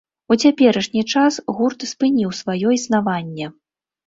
У цяперашні час гурт спыніў сваё існаванне.